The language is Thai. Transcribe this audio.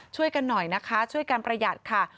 ช่วยกันหน่อยนะคะช่วยการประหยัดค่ะ